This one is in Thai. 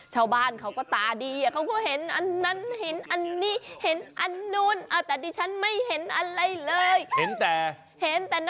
ชาวบ้านเขาก็ตาดีเขาก็เห็นอันนั้นเห็นอันนี้เห็นอันนู้น